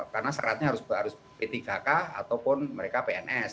karena syaratnya harus p tiga k ataupun mereka pns